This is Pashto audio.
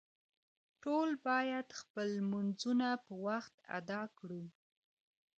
ټول باید خپل لمونځونه په وخت ادا کړو